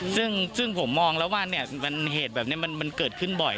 ซึ่งผมมองแล้วว่าเหตุแบบนี้มันเกิดขึ้นบ่อย